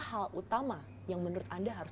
hal utama yang menurut anda harus